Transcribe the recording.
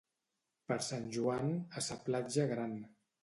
Per Sant Joan, a sa platja gran.